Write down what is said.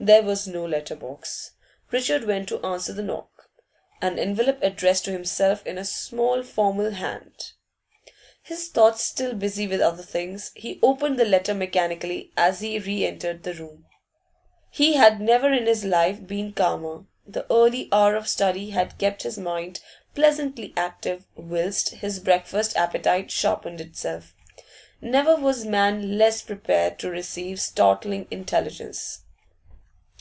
There was no letter box; Richard went to answer the knock. An envelope addressed to himself in a small, formal hand. His thoughts still busy with other things, he opened the letter mechanically as he re entered the room. He had never in his life been calmer; the early hour of study had kept his mind pleasantly active whilst his breakfast appetite sharpened itself. Never was man less prepared to receive startling intelligence.